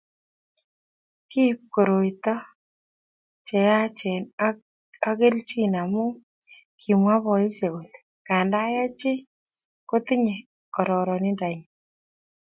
Kiib koroito cheyache ak kelchin amu kimwa boisiek kole nganda ya chi kotinyei kororonindonyi